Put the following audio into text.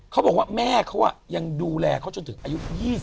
เขาบอกว่าแม่เขายังดูแลเขาจนถึงอายุ๒๐